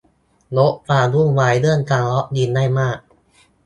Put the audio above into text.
ลดความวุ่นวายเรื่องการล็อกอินได้มาก